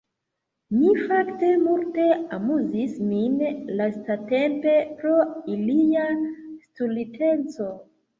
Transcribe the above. Mi fakte multe amuzis min lastatempe pro ilia stulteco.